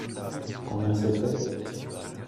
Combien c’était ?